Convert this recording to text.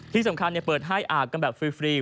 ที่สำคัญเปิดให้อาบกันแบบฟรี